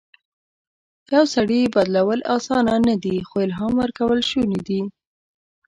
د یو سړي بدلول اسانه نه دي، خو الهام ورکول شونی ده.